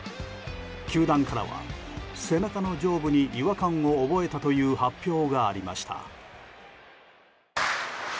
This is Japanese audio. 球団からは背中の上部に違和感を覚えたという発表がありました。